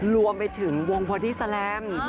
รวมไปถึงวงบอดี้แลม